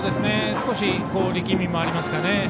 少し、力みもありますかね。